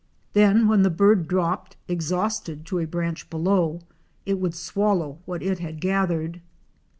Then when the bird dropped exhausted to a branch below, it would swallow what it had gathered.